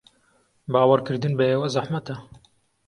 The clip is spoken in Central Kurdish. باوەڕکردن بە ئێوە زەحمەتە.